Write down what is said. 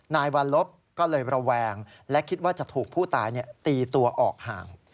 นายวัลลบก็เลยระแวงและคิดว่าจะถูกผู้ตายตีตัวออกห่าง